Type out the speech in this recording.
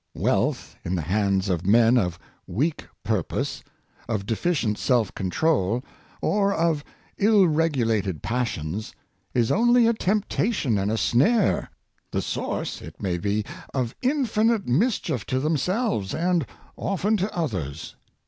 Wealth in the hands of men of weak purpose, of deficient self control, or of ill regulated passions, is only a temptation and a snare — the source, it may be, of infinite mischief to themselves, and often to others.